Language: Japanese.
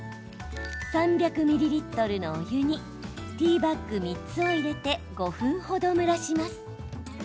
３００ミリリットルのお湯にティーバッグ３つを入れて５分ほど蒸らします。